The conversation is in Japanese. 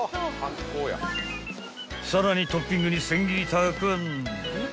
［さらにトッピングに千切りたくあん］